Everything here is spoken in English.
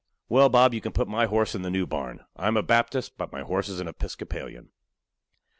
"Well, Bob, you can put my horse in the new barn; I'm a Baptist, but my horse is an Episcopalian."